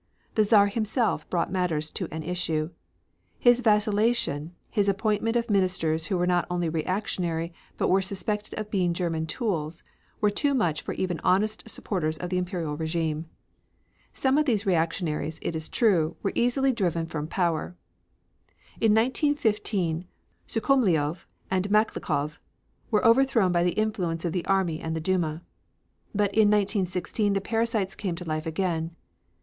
The Czar himself brought matters to an issue. His vacillation, his appointment of ministers who were not only reactionary, but were suspected of being German tools, were too much for even honest supporters of the Imperial regime. Some of these reactionaries, it is true, were easily driven from power. In 1915 Sukhomlinov and Maklakov were overthrown by the influence of the army and the Duma. But in 1916 the parasites came to life again.